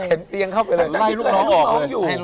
เข็นเตียงเข้าไปเลยให้ลูกน้องออกไปนอน